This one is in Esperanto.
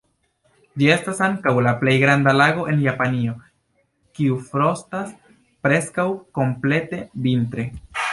Ĝi estas ankaŭ la plej granda lago en Japanio kiu frostas preskaŭ komplete vintre.